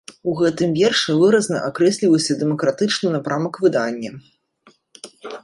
У гэтым вершы выразна акрэсліваўся дэмакратычны напрамак выдання.